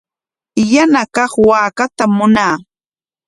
Yana kaq waakatam munaa.